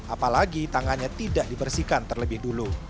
apalagi tangannya tidak dibersihkan terlebih dulu